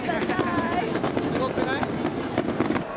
すごくない？